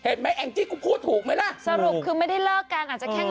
ไหมแองจี้กูพูดถูกไหมล่ะสรุปคือไม่ได้เลิกกันอาจจะแค่ง